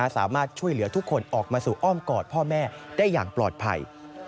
สามารถช่วยเหลือทุกคนออกมาสู่อ้อมกอดพ่อแม่ได้อย่างปลอดภัย